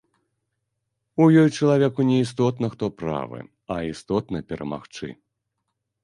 У ёй чалавеку не істотна, хто правы, а істотна перамагчы.